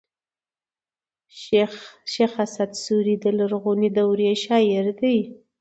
شېخ اسعد سوري د لرغوني دورې شاعر دﺉ.